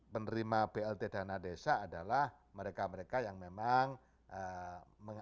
penerima blt dana desa adalah mereka mereka yang memang